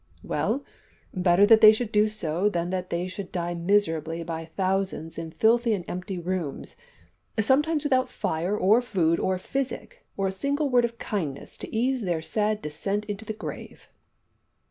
"Well, better that they should do so than that they should die miserably by thousands in filthy and empty rooms sometimes without fire, or food, or physic, or a single word of kindness to ease their sad descent into the grave."